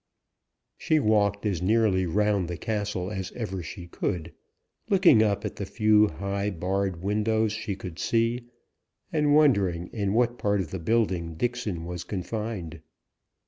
She walked as nearly round the castle as ever she could, looking up at the few high barred windows she could see, and wondering in what part of the building Dixon was confined.